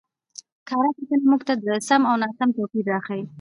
کره کتنه موږ ته د سم او ناسم توپير راښيي.